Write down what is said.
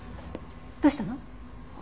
どうしたの？